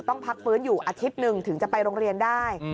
พักฟื้นอยู่อาทิตย์หนึ่งถึงจะไปโรงเรียนได้